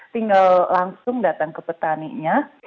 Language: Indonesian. tinggal langsung datang ke petaninya